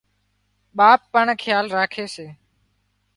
ٻاپ پڻ کيال راکي سي